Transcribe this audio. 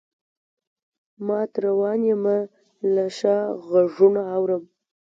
مات روان یمه له شا غــــــــږونه اورم